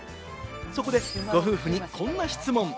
そこでご夫婦にこんな質問。